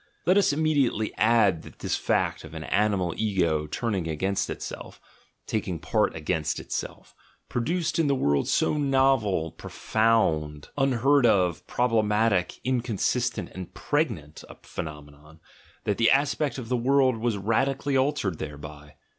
Let us immediately add that this fact of an animal ego turning against itself, taking part against itself, pro duced in the world so novel, profound, unheard of, prob lematic, inconsistent, and pregnant a phenomenon, that the aspect of the world was radically altered thereby.